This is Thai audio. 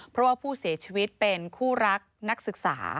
เพราะว่าผู้เสียชีวิตเป็นคู่รักนักศึกษา